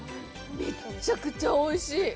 めっちゃくちゃおいしい！